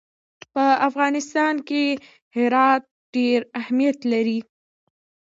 په افغانستان کې هرات ډېر اهمیت لري.